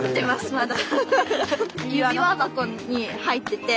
まだ。